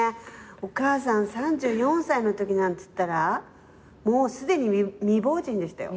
お母さん３４歳のときなんっつったらもうすでに未亡人でしたよ。